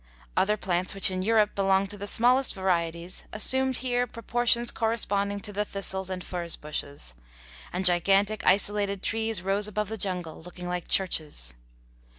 Other plants which in Europe belong to the smallest varieties assumed here proportions corresponding to the thistles and furze bushes; and gigantic, isolated trees rose above the jungle, looking like churches.